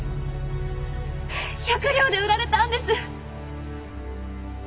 百両で売られたんです。